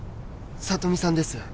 聡美さんです